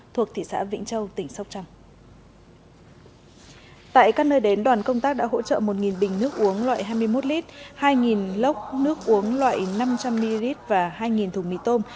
tại các nơi đến đoàn công tác đã hỗ trợ một bình nước uống loại hai mươi một lít hai lốc nước uống loại năm trăm linh ml và hai thùng mì tôm